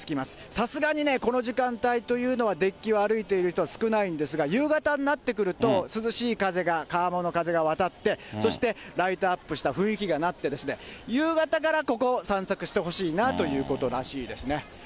さすがにこの時間帯というのは、デッキを歩いている人は少ないんですが、夕方になってくると、涼しい風が川面の風が渡って、そしてライトアップした雰囲気がなってですね、夕方からここ、散策してほしいなということらしいですね。